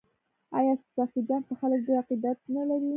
آیا سخي جان ته خلک ډیر عقیدت نلري؟